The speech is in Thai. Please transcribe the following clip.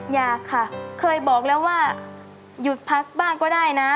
อยากค่ะเคยบอกแล้วว่าหยุดพักบ้างก็ได้นะ